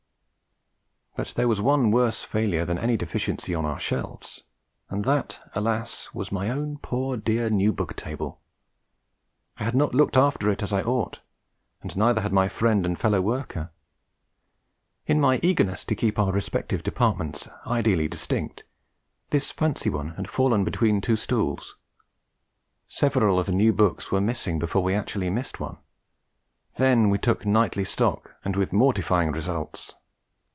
But there was one worse failure than any deficiency on our shelves, and that, alas! was my own poor dear New Book Table. I had not looked after it as I ought, and neither had my friend and fellow worker; in my eagerness to keep our respective departments ideally distinct, this fancy one had fallen between two stools. Several of the new books were missing before we actually missed one; then we took nightly stock, and with mortifying results.